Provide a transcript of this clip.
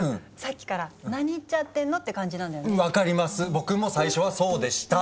僕も最初はそうでした。